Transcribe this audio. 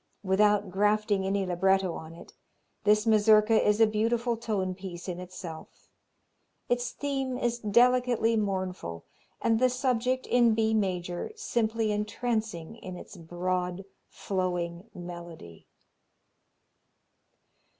Without grafting any libretto on it, this Mazurka is a beautiful tone piece in itself. Its theme is delicately mournful and the subject, in B major, simply entrancing in its broad, flowing melody.